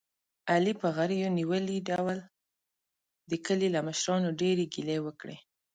علي په غرېو نیولي ډول د کلي له مشرانو ډېرې ګیلې وکړلې.